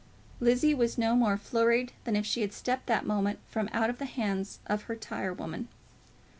Lizzie was no more flurried than if she had stepped that moment from out of the hands of her tirewoman.